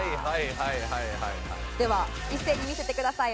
では一斉に見せてください。